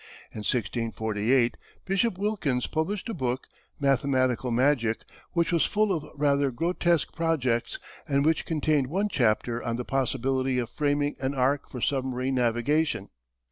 In 1648, Bishop Wilkins published a book, Mathematical Magick, which was full of rather grotesque projects and which contained one chapter on the possibility "of framing an ark for submarine navigation."